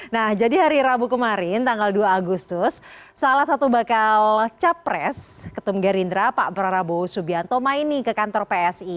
nah jadi hari rabu kemarin tanggal dua agustus salah satu bakal capres ketum gerindra pak prabowo subianto main nih ke kantor psi